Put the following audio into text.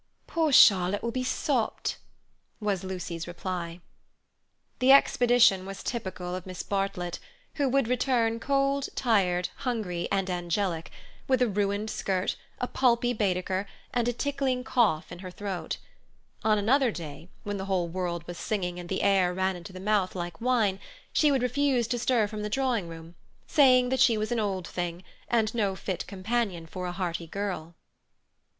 "Poor Charlotte will be sopped," was Lucy's reply. The expedition was typical of Miss Bartlett, who would return cold, tired, hungry, and angelic, with a ruined skirt, a pulpy Baedeker, and a tickling cough in her throat. On another day, when the whole world was singing and the air ran into the mouth, like wine, she would refuse to stir from the drawing room, saying that she was an old thing, and no fit companion for a hearty girl.